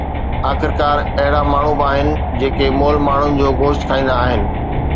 آخرڪار، اهڙا ماڻهو به آهن جيڪي مئل ماڻهن جو گوشت کائيندا آهن.